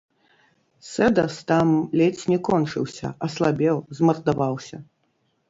Сэдас там ледзь не кончыўся, аслабеў, змардаваўся.